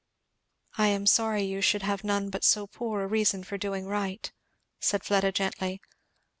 "I am sorry you should have none but so poor a reason for doing right," said Fleda gently.